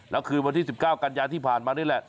แล้วคืนวันที่๑๙กันยาที่ผ่านมานี่แหละ